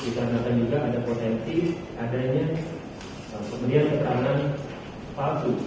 kita lihat juga ada potensi adanya kemudian ketangan palsu